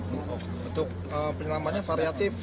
untuk penyelamannya variatif